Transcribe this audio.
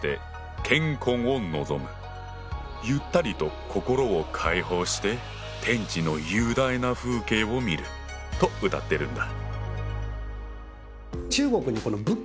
「ゆったりと心を解放して天地の雄大な風景を見る」と歌ってるんだ。